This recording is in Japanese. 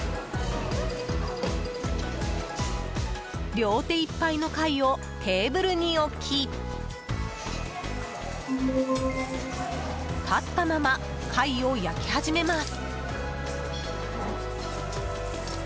両手いっぱいの貝をテーブルに置き立ったまま貝を焼き始めます。